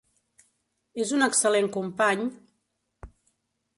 És un excel·lent company…